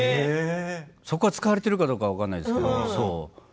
そこが使われているかどうか分かりませんけど。